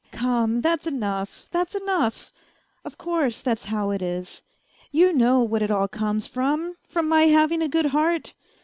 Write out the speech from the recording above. " Come, that's enough, that's enough ! Of course, that's how it is. ... You know what it all comes from from my having a good heart.